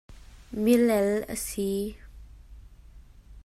Mi lel a si.